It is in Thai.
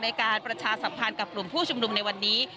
ในการประชาสัมพันธ์กับกลุ่มผู้ชุมนุมในวันนี้